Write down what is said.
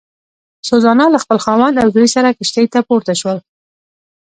سوزانا له خپل خاوند او زوی سره کښتۍ ته پورته شول.